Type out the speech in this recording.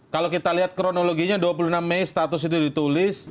kalau kita lihat kronologinya dua puluh enam mei status itu ditulis